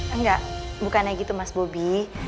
enggak bukannya gitu mas bobi